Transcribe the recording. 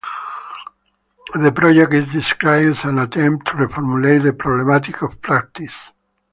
The project is described as an attempt to reformulate the problematic of practice.